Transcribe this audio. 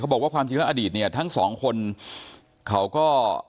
บอกว่าความจริงแล้วอดีตเนี่ยทั้งสองคนเขาก็